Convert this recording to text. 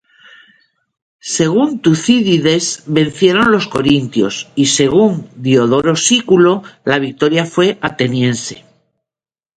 Según Tucídides vencieron los corintios y según Diodoro Sículo la victoria fue ateniense.